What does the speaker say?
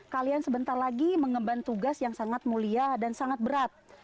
kalian sebentar lagi mengemban tugas yang sangat mulia dan sangat berat